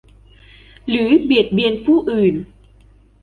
หรือเบียดเบียนผู้อื่น